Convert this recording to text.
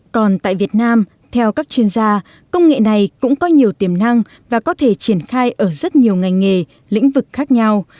còn tại việt nam theo các chuyên gia công nghệ này cũng có nhiều tiềm năng và có thể triển khai ở rất nhiều ngành nghề lĩnh vực khác nhau